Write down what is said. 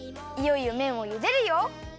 いよいよめんをゆでるよ！